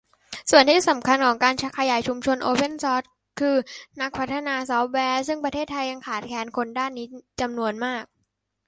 ส่วนที่สำคัญของการขยายชุมชนโอเพ่นซอร์สคือ นักพัฒนาซอร์ฟแวร์ ซึ่งประเทศไทยยังขาดแคลนคนด้านนี้จำนวนมาก